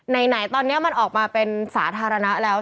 ไหนตอนนี้มันออกมาเป็นสาธารณะแล้ว